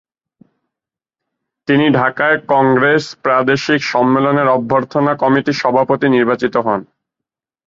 তিনি ঢাকায় কংগ্রেস প্রাদেশিক সম্মেলনের অভ্যর্থনা কমিটির সভাপতি নির্বাচিত হন।